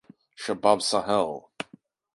Shabab Sahel